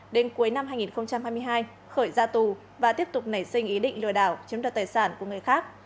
đến cuối năm hai nghìn hai mươi hai khởi ra tù và tiếp tục nảy sinh ý định lừa đảo chiếm đoạt tài sản của người khác